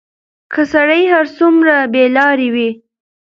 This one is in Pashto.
که سړى هر څومره بېلارې وي،